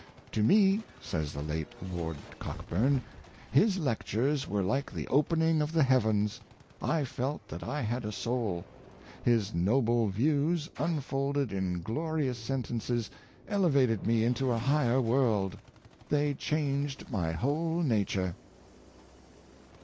" To me," says the late Lord Cockburn, " his lectures were like the opening of the heavens. I felt that I had a soul. His noble views, unfolded in glori ous sentences, elevated me into a higher world. ^"^ They changed my whole nature."